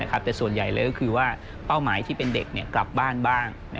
แต่ส่วนใหญ่เลยก็คือว่าเป้าหมายที่เป็นเด็กกลับบ้านบ้าง